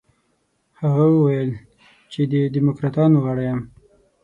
هغه وویل چې د دموکراتانو غړی یم.